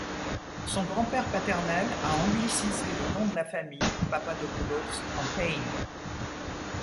Son grand-père paternel a anglicisé le nom de la famille, Papadopoulos, en Payne.